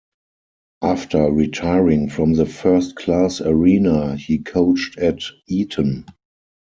After retiring from the first class arena, he coached at Eton.